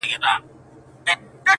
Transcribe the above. زه درڅخه ځمه ته اوږدې شپې زنګوه ورته!.